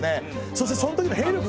そしてその時の兵力が。